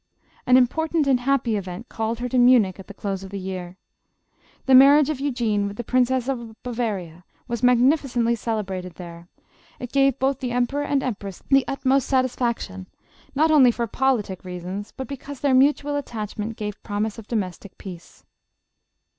An important and happy event called her to Munich at the close of the year. The marriage of Eugene with the Princess of Bavaria was magnificently cele brated there ; it gave both the emperor and empress the utmost satisfaction, not only for politic reasons, but because their mutual attachment gave promise of do mestic peace.